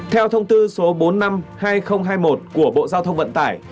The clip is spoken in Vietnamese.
theo thông tư số bốn mươi năm hai nghìn hai mươi một của bộ giao thông vận tải